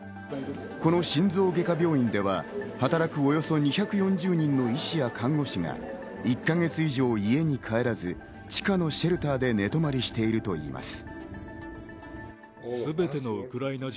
この心臓外科病院では働くおよそ２４０人の医師や看護師が１か月以上、家に帰らず地下のシェルターで寝泊まりしているといいます。